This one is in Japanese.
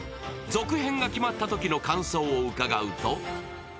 続編が決まったときの感想を伺うと。